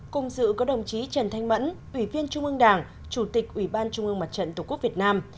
cùng dự có đồng chí trần thanh mẫn ủy viên trung ương đảng chủ tịch ủy ban trung ương mặt trận tổ quốc việt nam